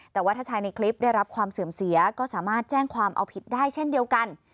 แต่ว่าถ้าชายในคลิปได้รับความเสื่อมเสียก็สามารถแจ้งความเอาผิดได้เช่นเดียวกัน